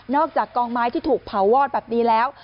อกจากกองไม้ที่ถูกเผาวอดแบบนี้แล้ว